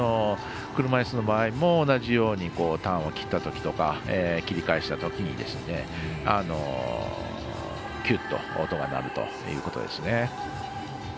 車いすの場合も同じようにターンを切ったときとか切り返したときにキュッと音が鳴るということです。